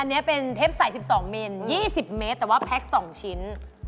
อันนี้เป็นเทปใส๑๒เมตร๒๐เมตรแต่ว่าแพ็ค๒ชิ้น